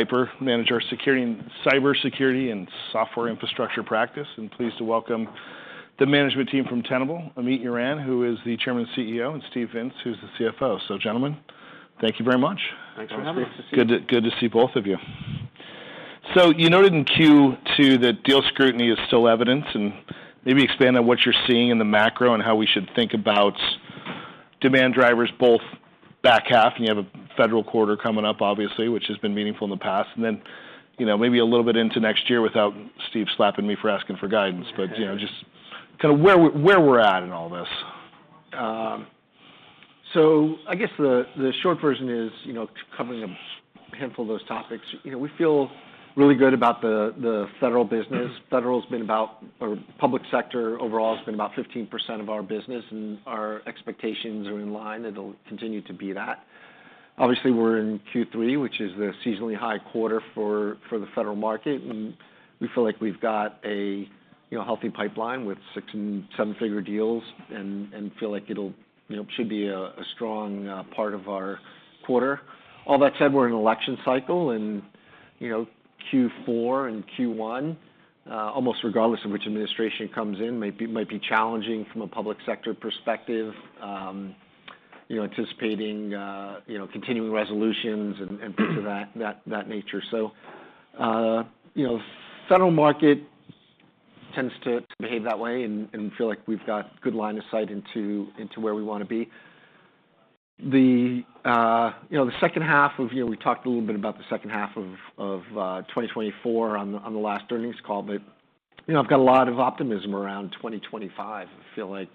Piper, Manager of Security and Cybersecurity and Software Infrastructure Practice, and pleased to welcome the management team from Tenable, Amit Yoran, who is the Chairman and CEO, and Steve Vintz, who's the CFO. So gentlemen, thank you very much. Thanks for having me. Nice to see you. Good to see both of you. So you noted in Q2 that deal scrutiny is still evident, and maybe expand on what you're seeing in the macro and how we should think about demand drivers, both back half, and you have a federal quarter coming up, obviously, which has been meaningful in the past. And then, you know, maybe a little bit into next year without Steve slapping me for asking for guidance. But, you know, just kind of where we're at in all this. So I guess the short version is, you know, covering a handful of those topics. You know, we feel really good about the federal business. Federal's been about or public sector overall has been about 15% of our business, and our expectations are in line, it'll continue to be that. Obviously, we're in Q3, which is the seasonally high quarter for the federal market, and we feel like we've got a, you know, healthy pipeline with six and seven-figure deals, and feel like it'll, you know, should be a strong part of our quarter. All that said, we're in an election cycle, and, you know, Q4 and Q1 almost regardless of which administration comes in, might be challenging from a public sector perspective, you know, anticipating continuing resolutions and things of that nature. So, you know, the federal market tends to behave that way, and we feel like we've got good line of sight into where we wanna be. You know, we talked a little bit about the second half of 2024 on the last earnings call, but, you know, I've got a lot of optimism around 2025. I feel like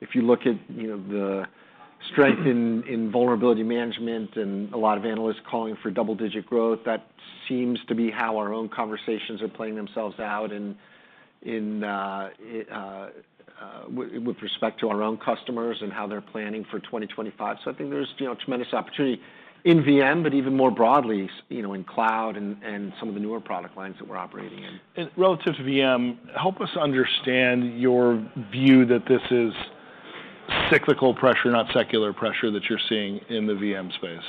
if you look at, you know, the strength in vulnerability management and a lot of analysts calling for double-digit growth, that seems to be how our own conversations are playing themselves out with respect to our own customers and how they're planning for 2025. So I think there's, you know, tremendous opportunity in VM, but even more broadly, you know, in cloud and some of the newer product lines that we're operating in. Relative to VM, help us understand your view that this is cyclical pressure, not secular pressure, that you're seeing in the VM space?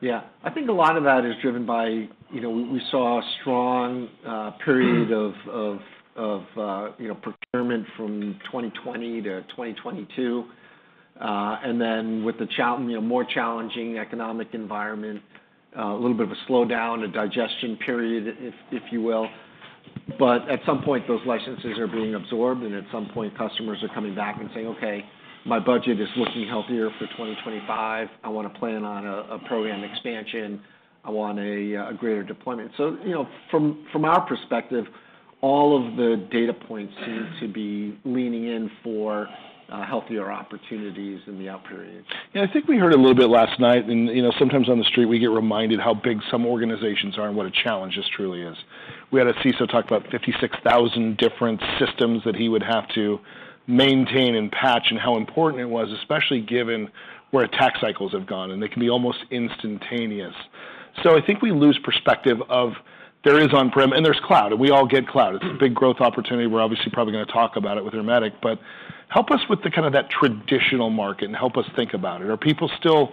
Yeah. I think a lot of that is driven by, you know, we saw a strong period of, you know, procurement from 2020 to 2022. And then with the challenging economic environment, a little bit of a slowdown, a digestion period, if you will. But at some point, those licenses are being absorbed, and at some point, customers are coming back and saying, "Okay, my budget is looking healthier for 2025. I wanna plan on a program expansion. I want a greater deployment." So, you know, from our perspective, all of the data points seem to be leaning in for healthier opportunities in the out periods. Yeah, I think we heard a little bit last night, and, you know, sometimes on the street, we get reminded how big some organizations are and what a challenge this truly is. We had a CISO talk about 56,000 different systems that he would have to maintain and patch, and how important it was, especially given where attack cycles have gone, and they can be almost instantaneous. So I think we lose perspective of there is on-prem and there's cloud, and we all get cloud. It's a big growth opportunity. We're obviously probably gonna talk about it with Ermetic, but help us with the kind of that traditional market and help us think about it. Are people still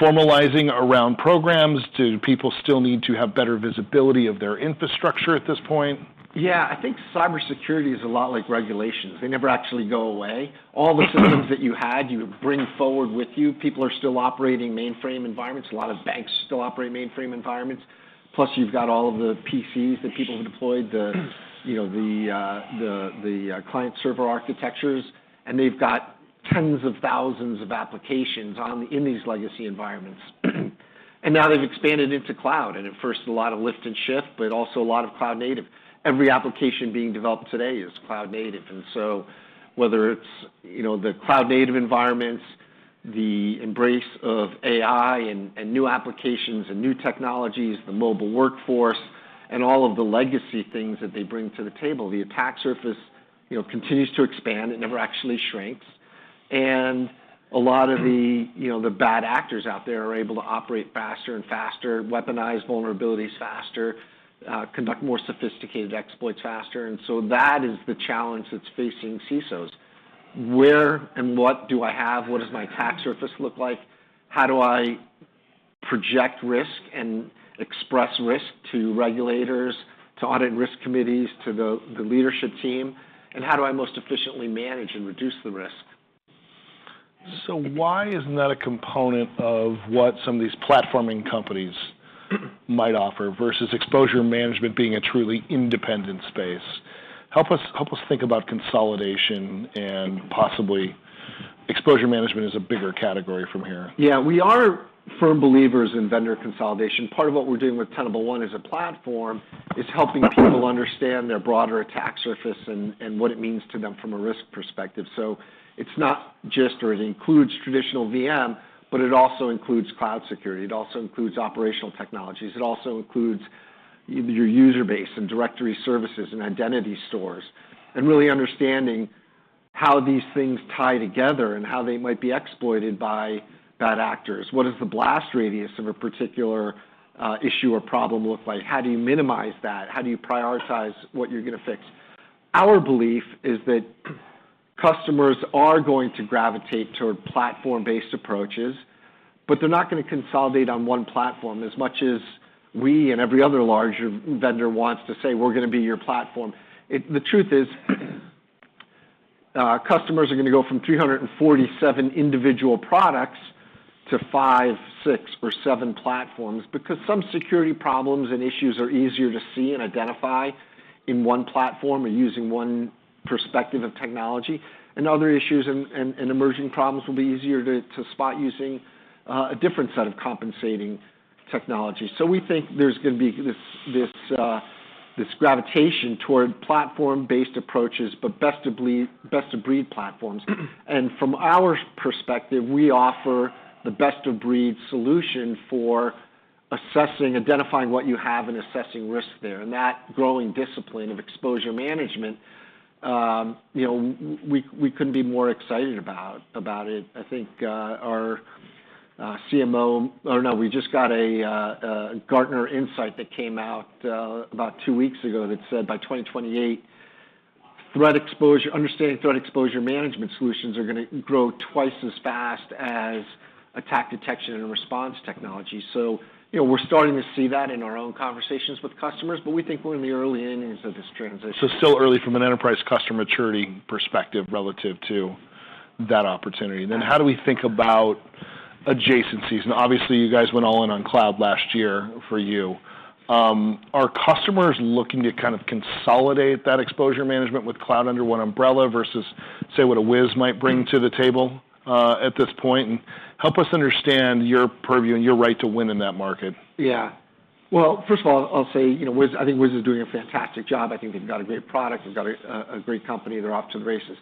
formalizing around programs? Do people still need to have better visibility of their infrastructure at this point? Yeah, I think cybersecurity is a lot like regulations. They never actually go away. Mm-hmm. All the systems that you had, you bring forward with you. People are still operating mainframe environments. A lot of banks still operate mainframe environments, plus you've got all of the PCs that people have deployed, you know, the client-server architectures, and they've got tens of thousands of applications in these legacy environments. And now they've expanded into cloud, and at first, a lot of lift and shift, but also a lot of cloud native. Every application being developed today is cloud native, and so whether it's, you know, the cloud native environments, the embrace of AI and new applications and new technologies, the mobile workforce, and all of the legacy things that they bring to the table, the attack surface, you know, continues to expand. It never actually shrinks. And a lot of the, you know, the bad actors out there are able to operate faster and faster, weaponize vulnerabilities faster, conduct more sophisticated exploits faster, and so that is the challenge that's facing CISOs: Where and what do I have? What does my attack surface look like? How do I project risk and express risk to regulators, to audit risk committees, to the, the leadership team? And how do I most efficiently manage and reduce the risk? So why isn't that a component of what some of these platforming companies might offer versus exposure management being a truly independent space? Help us, help us think about consolidation and possibly exposure management as a bigger category from here. Yeah, we are firm believers in vendor consolidation. Part of what we're doing with Tenable One as a platform is helping people understand their broader attack surface and what it means to them from a risk perspective. So it's not just, or it includes traditional VM, but it also includes cloud security. It also includes operational technologies. It also includes your user base and directory services and identity stores, and really understanding how these things tie together and how they might be exploited by bad actors. What does the blast radius of a particular issue or problem look like? How do you minimize that? How do you prioritize what you're gonna fix? Our belief is that customers are going to gravitate toward platform-based approaches, but they're not gonna consolidate on one platform. As much as we and every other larger vendor wants to say, "We're gonna be your platform," it, the truth is, customers are gonna go from three hundred and forty-seven individual products to five, six, or seven platforms, because some security problems and issues are easier to see and identify in one platform or using one perspective of technology, and other issues and emerging problems will be easier to spot using a different set of compensating technology. So we think there's gonna be this gravitation toward platform-based approaches, but best of breed platforms. And from our perspective, we offer the best of breed solution for assessing, identifying what you have and assessing risk there. And that growing discipline of exposure management, you know, we couldn't be more excited about it. I think our CMO—or no, we just got a Gartner insight that came out about two weeks ago that said by 2028, threat exposure, understanding threat exposure management solutions are gonna grow twice as fast as attack detection and response technology. So, you know, we're starting to see that in our own conversations with customers, but we think we're in the early innings of this transition. Still early from an enterprise customer maturity perspective relative to that opportunity. Yeah. Then how do we think about adjacencies? And obviously, you guys went all in on cloud last year for you. Are customers looking to kind of consolidate that exposure management with cloud under one umbrella versus, say, what a Wiz might bring to the table, at this point? And help us understand your purview and your right to win in that market. Yeah. Well, first of all, I'll say, you know, Wiz. I think Wiz is doing a fantastic job. I think they've got a great product, they've got a great company, they're off to the races.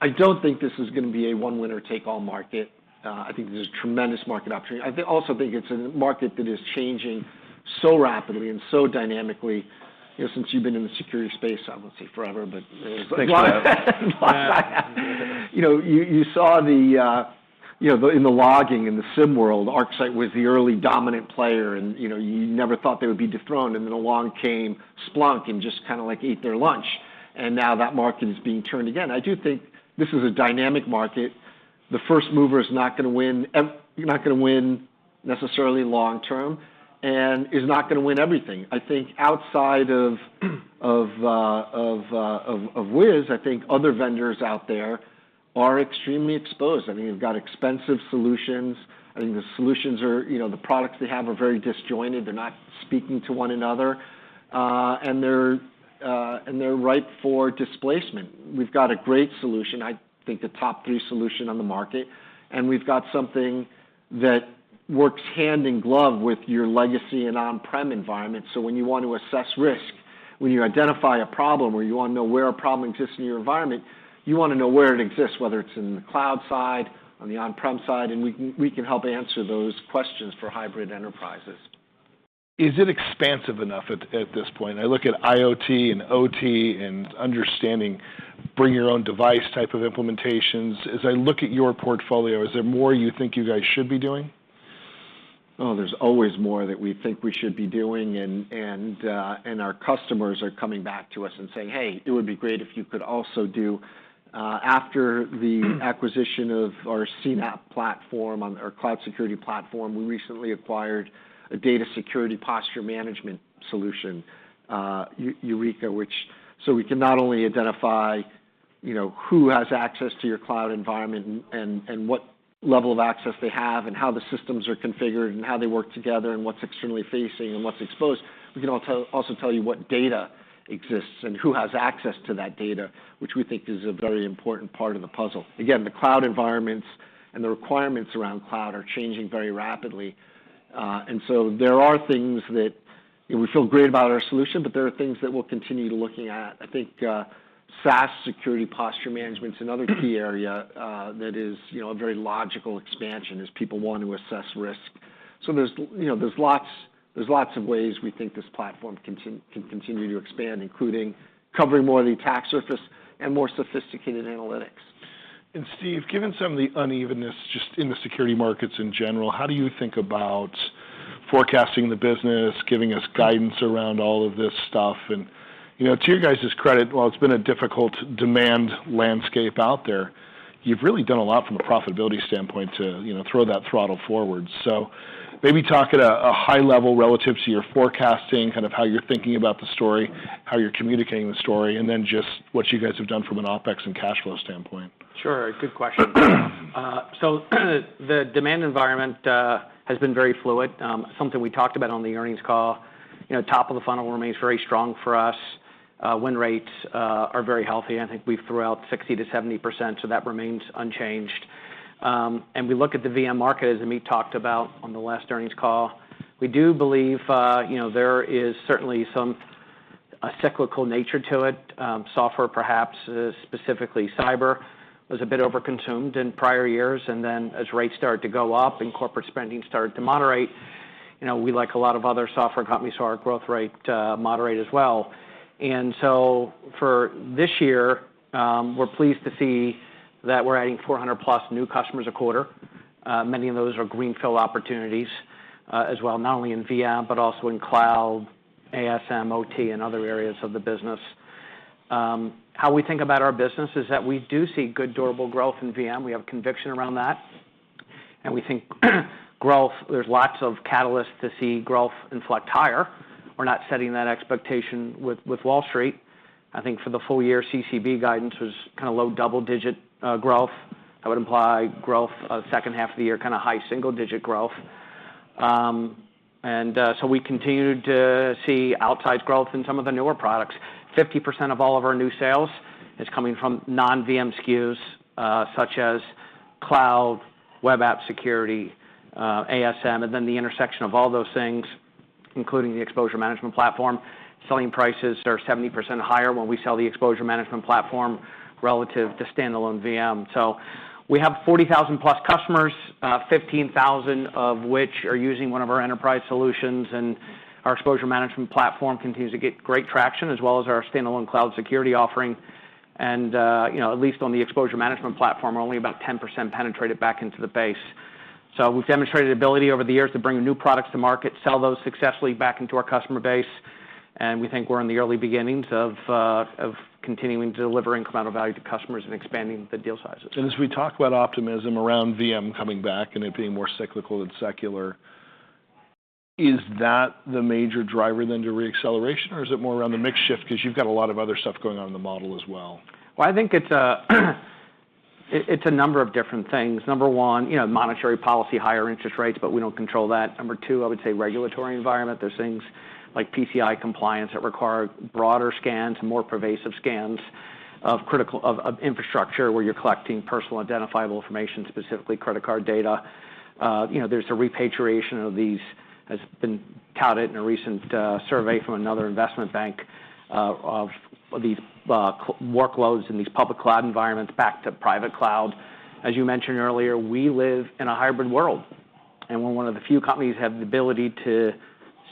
I don't think this is gonna be a one-winner-take-all market. I think there's tremendous market opportunity. I also think it's a market that is changing so rapidly and so dynamically. You know, since you've been in the security space, I won't say forever, but. Thanks for that. You know, you saw the, you know, the in the logging, in the SIEM world, ArcSight was the early dominant player, and, you know, you never thought they would be dethroned. And then along came Splunk and just kind of, like, ate their lunch, and now that market is being turned again. I do think this is a dynamic market. The first mover is not gonna win necessarily long term, and is not gonna win everything. I think outside of Wiz, I think other vendors out there are extremely exposed. I mean, they've got expensive solutions. I think the solutions are, you know, the products they have are very disjointed, they're not speaking to one another, and they're ripe for displacement. We've got a great solution, I think the top three solution on the market, and we've got something that works hand in glove with your legacy and on-prem environment. So when you want to assess risk, when you identify a problem, or you want to know where a problem exists in your environment, you wanna know where it exists, whether it's in the cloud side, on the on-prem side, and we can help answer those questions for hybrid enterprises. Is it expansive enough at this point? I look at IoT and OT and understanding bring your own device type of implementations. As I look at your portfolio, is there more you think you guys should be doing? Oh, there's always more that we think we should be doing, and, and, and our customers are coming back to us and saying, "Hey, it would be great if you could also do..." After the acquisition of our CNAPP platform, our cloud security platform, we recently acquired a data security posture management solution, Eureka, which so we can not only identify, you know, who has access to your cloud environment and, and, and what level of access they have, and how the systems are configured, and how they work together, and what's externally facing and what's exposed, we can also, also tell you what data exists and who has access to that data, which we think is a very important part of the puzzle. Again, the cloud environments and the requirements around cloud are changing very rapidly, and so there are things we feel great about our solution, but there are things that we're continue looking at. I think, SaaS security posture management's another key area, that is, you know, a very logical expansion as people want to assess risk. So there's you know, there's lots of ways we think this platform can continue to expand, including covering more of the attack surface and more sophisticated analytics. And Steve, given some of the unevenness just in the security markets in general, how do you think about forecasting the business, giving us guidance around all of this stuff? And, you know, to you guys's credit, while it's been a difficult demand landscape out there, you've really done a lot from a profitability standpoint to, you know, throw that throttle forward. So maybe talk at a high level relative to your forecasting, kind of how you're thinking about the story, how you're communicating the story, and then just what you guys have done from an OpEx and cash flow standpoint. Sure. Good question. So the demand environment has been very fluid, something we talked about on the earnings call. You know, top of the funnel remains very strong for us. Win rates are very healthy. I think we threw out 60%-70%, so that remains unchanged, and we look at the VM market, as Amit talked about on the last earnings call. We do believe, you know, there is certainly a cyclical nature to it. Software perhaps, specifically cyber, was a bit overconsumed in prior years, and then as rates started to go up and corporate spending started to moderate, you know, we, like a lot of other software companies, saw our growth rate moderate as well, and so for this year, we're pleased to see that we're adding 400+ new customers a quarter. Many of those are greenfield opportunities, as well, not only in VM, but also in cloud, ASM, OT, and other areas of the business. How we think about our business is that we do see good durable growth in VM. We have conviction around that, and we think growth—there's lots of catalysts to see growth inflect higher. We're not setting that expectation with Wall Street. I think for the full year, CCB guidance was kind of low double-digit growth. That would imply growth of second half of the year, kind of high single-digit growth. So we continue to see outsized growth in some of the newer products. 50% of all of our new sales is coming from non-VM SKUs, such as cloud, web app security, ASM, and then the intersection of all those things, including the exposure management platform. Selling prices are 70% higher when we sell the exposure management platform relative to standalone VM. So we have 40,000+ customers, fifteen thousand of which are using one of our enterprise solutions, and our exposure management platform continues to get great traction, as well as our standalone cloud security offering, and you know, at least on the exposure management platform, we're only about 10% penetrated back into the base. We've demonstrated ability over the years to bring new products to market, sell those successfully back into our customer base, and we think we're in the early beginnings of continuing delivering incremental value to customers and expanding the deal sizes. As we talk about optimism around VM coming back and it being more cyclical than secular, is that the major driver then to reacceleration, or is it more around the mix shift? Because you've got a lot of other stuff going on in the model as well. I think it's a number of different things. Number one, you know, monetary policy, higher interest rates, but we don't control that. Number two, I would say regulatory environment. There's things like PCI compliance that require broader scans and more pervasive scans of critical infrastructure, where you're collecting personal identifiable information, specifically credit card data. You know, there's a repatriation of these, has been touted in a recent survey from another investment bank of these workloads in these public cloud environments back to private cloud. As you mentioned earlier, we live in a hybrid world, and we're one of the few companies have the ability to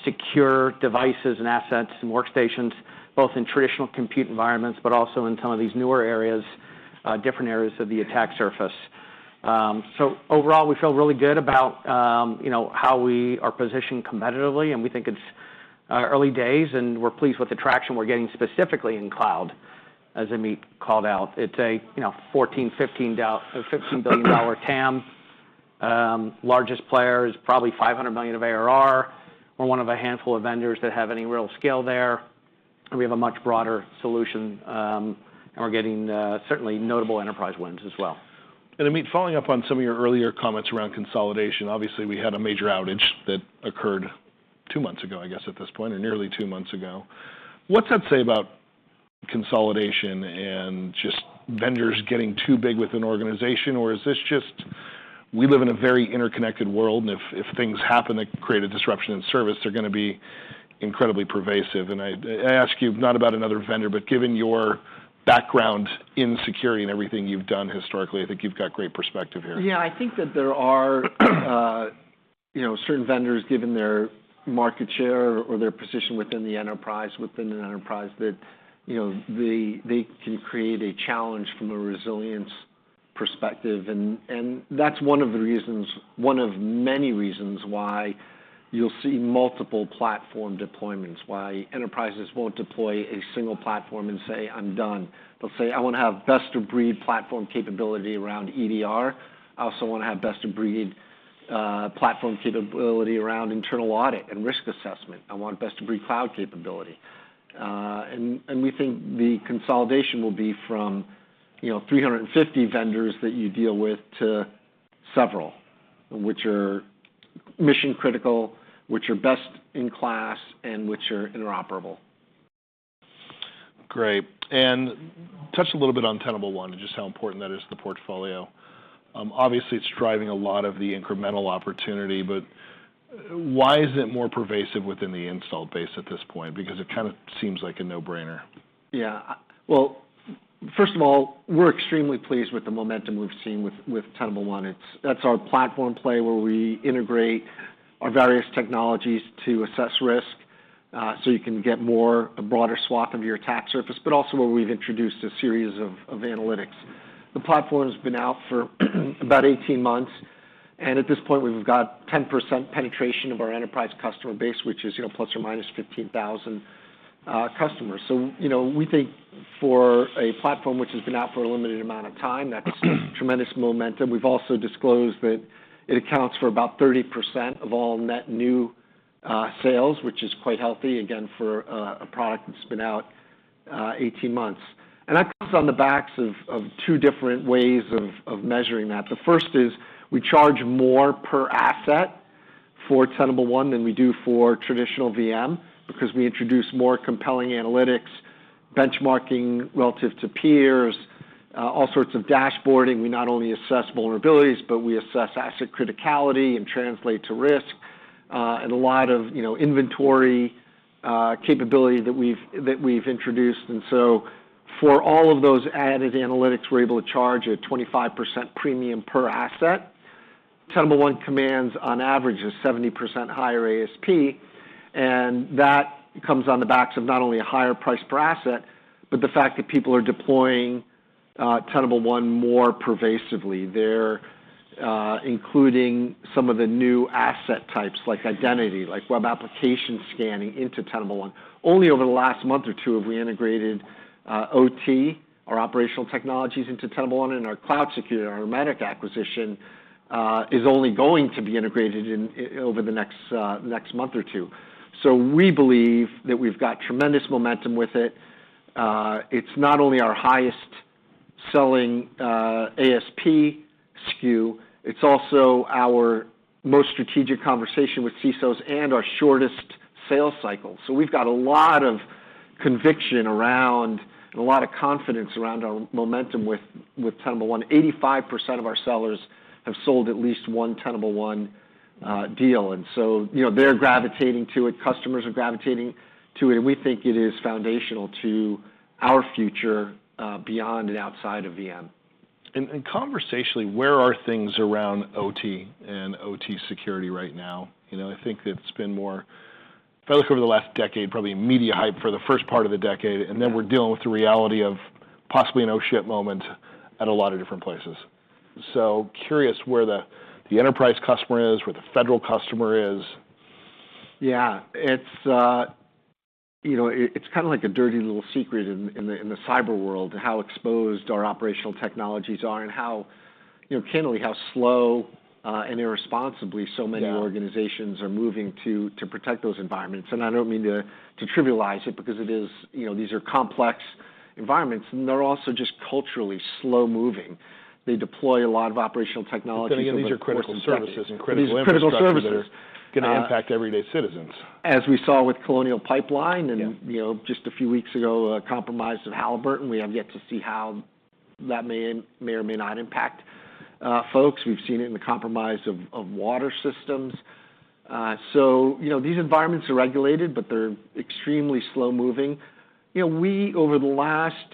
secure devices and assets and workstations, both in traditional compute environments, but also in some of these newer areas, different areas of the attack surface. So overall, we feel really good about, you know, how we are positioned competitively, and we think it's early days, and we're pleased with the traction we're getting, specifically in cloud, as Amit called out. It's a, you know, $14-$15 billion TAM. Largest player is probably 500 million of ARR. We're one of a handful of vendors that have any real scale there, and we have a much broader solution, and we're getting certainly notable enterprise wins as well. And Amit, following up on some of your earlier comments around consolidation, obviously, we had a major outage that occurred two months ago, I guess, or nearly two months ago. What's that say about consolidation and just vendors getting too big with an organization? Or is this just... We live in a very interconnected world, and if things happen that create a disruption in service, they're gonna be incredibly pervasive. And I ask you, not about another vendor, but given your background in security and everything you've done historically, I think you've got great perspective here. Yeah, I think that there are, you know, certain vendors, given their market share or their position within the enterprise, that, you know, they can create a challenge from a resilience perspective. And that's one of the reasons, one of many reasons why you'll see multiple platform deployments, why enterprises won't deploy a single platform and say, "I'm done." They'll say, "I wanna have best-of-breed platform capability around EDR. I also wanna have best-of-breed platform capability around internal audit and risk assessment. I want best-of-breed cloud capability." And we think the consolidation will be from, you know, 350 vendors that you deal with to several, which are mission-critical, which are best in class, and which are interoperable. Great. And touch a little bit on Tenable One and just how important that is to the portfolio. Obviously, it's driving a lot of the incremental opportunity, but why isn't it more pervasive within the install base at this point? Because it kind of seems like a no-brainer. Yeah. Well, first of all, we're extremely pleased with the momentum we've seen with Tenable One. That's our platform play, where we integrate our various technologies to assess risk, so you can get a broader swath of your attack surface, but also where we've introduced a series of analytics. The platform has been out for about 18 months, and at this point, we've got 10% penetration of our enterprise customer base, which is, you know, ±15,000 customers. So you know, we think for a platform which has been out for a limited amount of time, that's tremendous momentum. We've also disclosed that it accounts for about 30% of all net new sales, which is quite healthy, again, for a product that's been out 18 months. That comes on the backs of two different ways of measuring that. The first is, we charge more per asset for Tenable One than we do for traditional VM, because we introduce more compelling analytics, benchmarking relative to peers, all sorts of dashboarding. We not only assess vulnerabilities, but we assess asset criticality and translate to risk, and a lot of, you know, inventory capability that we've introduced. So for all of those added analytics, we're able to charge a 25% premium per asset. Tenable One commands, on average, a 70% higher ASP. And that comes on the backs of not only a higher price per asset, but the fact that people are deploying Tenable One more pervasively. They're including some of the new asset types like identity, like web application scanning into Tenable One. Only over the last month or two have we integrated OT, our operational technologies into Tenable One, and our cloud security, our Ermetic acquisition, is only going to be integrated in over the next month or two. So we believe that we've got tremendous momentum with it. It's not only our highest selling ASP SKU, it's also our most strategic conversation with CISOs and our shortest sales cycle. So we've got a lot of conviction around, and a lot of confidence around our momentum with Tenable One. 85% of our sellers have sold at least one Tenable One deal, and so, you know, they're gravitating to it, customers are gravitating to it, and we think it is foundational to our future beyond and outside of VM. Conversationally, where are things around OT and OT security right now? You know, I think that it's been more, if I look over the last decade, probably media hype for the first part of the decade, and then we're dealing with the reality of possibly an oh, shit moment at a lot of different places. Curious where the enterprise customer is, where the federal customer is. Yeah, it's, you know, it's kind of like a dirty little secret in the cyber world, how exposed our operational technologies are and how, you know, candidly, how slow and irresponsibly so many- Yeah... organizations are moving to protect those environments. And I don't mean to trivialize it because it is, you know, these are complex environments, and they're also just culturally slow-moving. They deploy a lot of operational technologies- And again, these are critical services and critical- These are critical services. ... infrastructure that are gonna impact everyday citizens. As we saw with Colonial Pipeline, and- Yeah... you know, just a few weeks ago, a compromise of Halliburton. We have yet to see how that may or may not impact folks. We've seen it in the compromise of water systems. So you know, these environments are regulated, but they're extremely slow-moving. You know, we, over the last,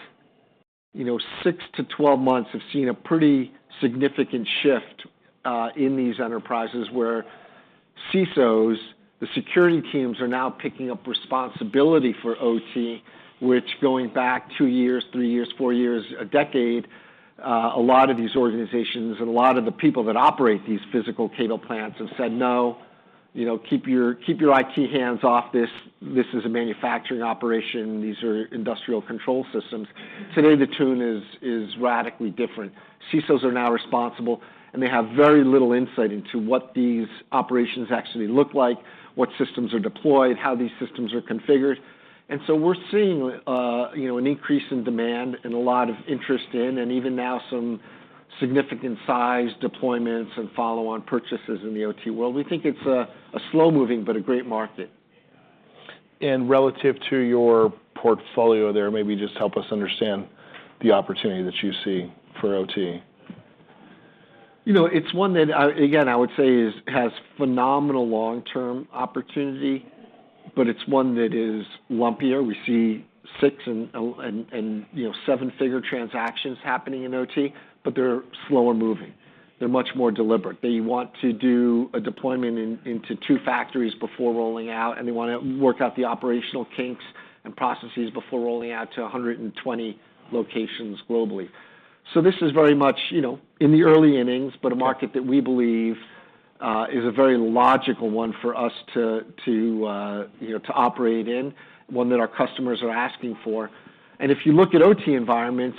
you know, six to twelve months, have seen a pretty significant shift in these enterprises, where CISOs, the security teams, are now picking up responsibility for OT, which going back two years, three years, four years, a decade, a lot of these organizations and a lot of the people that operate these physical cable plants have said, "No, you know, keep your, keep your IT hands off this. This is a manufacturing operation. These are industrial control systems." Today, the tune is radically different. CISOs are now responsible, and they have very little insight into what these operations actually look like, what systems are deployed, how these systems are configured. And so we're seeing, you know, an increase in demand and a lot of interest in, and even now, some significant size deployments and follow-on purchases in the OT world. We think it's a slow-moving, but a great market. Relative to your portfolio there, maybe just help us understand the opportunity that you see for OT. You know, it's one that I again, I would say has phenomenal long-term opportunity, but it's one that is lumpier. We see six and seven-figure transactions happening in OT, but they're slower moving. They're much more deliberate. They want to do a deployment into two factories before rolling out, and they wanna work out the operational kinks and processes before rolling out to a hundred and twenty locations globally. So this is very much, you know, in the early innings, but a market that we believe is a very logical one for us to, you know, to operate in, one that our customers are asking for. And if you look at OT environments,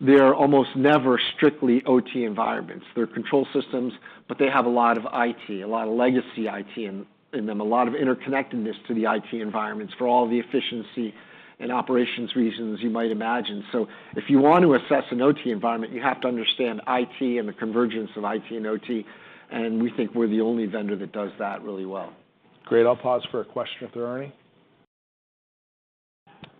they're almost never strictly OT environments. They're control systems, but they have a lot of IT, a lot of legacy IT in them, a lot of interconnectedness to the IT environments for all the efficiency and operations reasons you might imagine. So if you want to assess an OT environment, you have to understand IT and the convergence of IT and OT, and we think we're the only vendor that does that really well. Great. I'll pause for a question if there are any.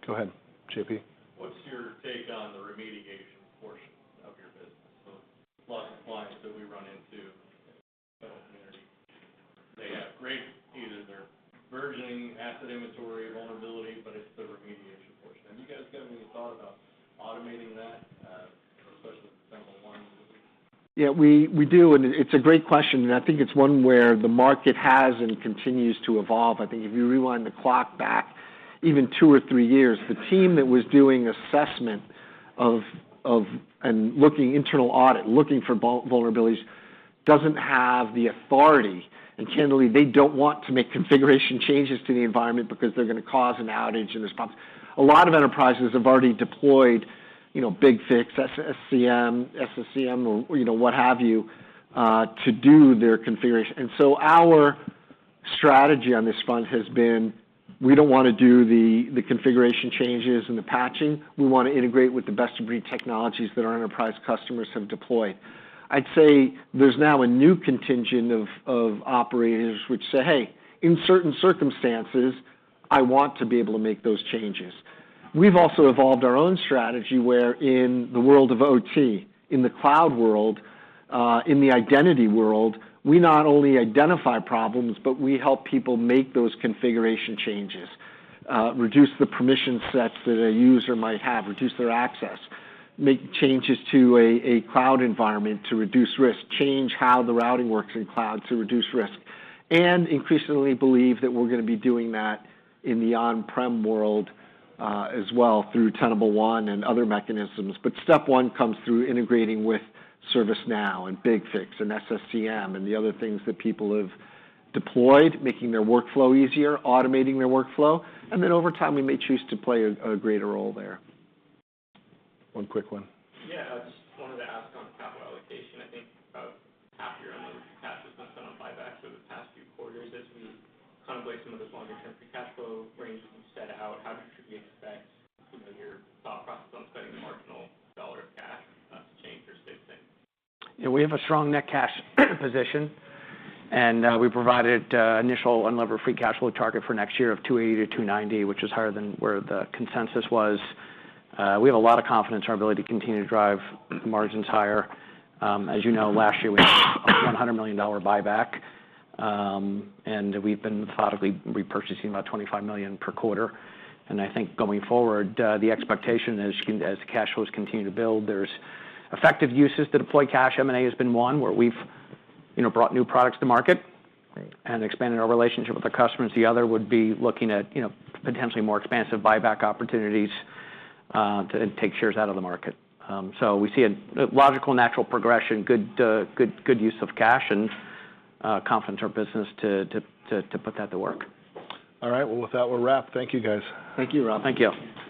Go ahead, JP. What's your take on the remediation portion of your business? So a lot of clients that we run into, they have great asset inventory vulnerability, but it's the remediation portion. Have you guys got any thought about automating that, especially with Tenable One? Yeah, we do, and it's a great question, and I think it's one where the market has and continues to evolve. I think if you rewind the clock back even two or three years, the team that was doing assessment and looking internal audit, looking for vulnerabilities, doesn't have the authority, and candidly, they don't want to make configuration changes to the environment because they're gonna cause an outage, and there's problems. A lot of enterprises have already deployed, you know, BigFix, SCCM, or, you know, what have you, to do their configuration. And so our strategy on this front has been, we don't wanna do the configuration changes and the patching. We want to integrate with the best-of-breed technologies that our enterprise customers have deployed. I'd say there's now a new contingent of operators which say, "Hey, in certain circumstances, I want to be able to make those changes." We've also evolved our own strategy, where in the world of OT, in the cloud world, in the identity world, we not only identify problems, but we help people make those configuration changes, reduce the permission sets that a user might have, reduce their access, make changes to a cloud environment to reduce risk, change how the routing works in cloud to reduce risk, and increasingly believe that we're gonna be doing that in the on-prem world, as well, through Tenable One and other mechanisms. But step one comes through integrating with ServiceNow and BigFix and SSCM and the other things that people have deployed, making their workflow easier, automating their workflow, and then over time, we may choose to play a greater role there. One quick one. Yeah, I just wanted to ask on capital allocation. I think about half your unlevered cash has been on buybacks over the past few quarters. As we kind of lay some of those longer-term free cash flow ranges you've set out, how should we expect, you know, your thought process on spending a marginal dollar of cash to change or stay the same? Yeah, we have a strong net cash position, and we provided initial unlevered free cash flow target for next year of $280 million-$290 million, which is higher than where the consensus was. We have a lot of confidence in our ability to continue to drive margins higher. As you know, last year we did a $100 million buyback, and we've been methodically repurchasing about $25 million per quarter. And I think going forward, the expectation as the cash flows continue to build, there's effective uses to deploy cash. M&A has been one, where we've, you know, brought new products to market- Great... and expanded our relationship with our customers. The other would be looking at, you know, potentially more expansive buyback opportunities to take shares out of the market. So we see a logical, natural progression, good use of cash and confidence in our business to put that to work. All right. Well, with that, we'll wrap. Thank you, guys. Thank you, Rob. Thank you.